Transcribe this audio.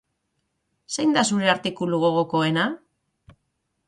Zein da zure artikulu gogokoena?